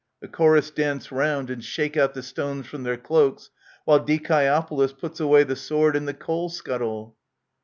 \The Chorus dance round and shake out the stones from their cloaks, while Dioeopolis puts away the sword and the coal scuttle.